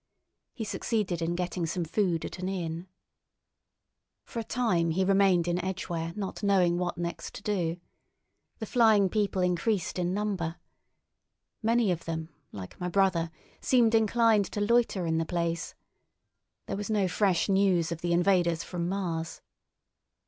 He succeeded in getting some food at an inn. For a time he remained in Edgware not knowing what next to do. The flying people increased in number. Many of them, like my brother, seemed inclined to loiter in the place. There was no fresh news of the invaders from Mars.